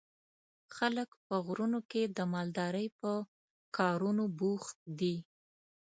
خلک په غرونو کې د مالدارۍ په کارونو بوخت دي.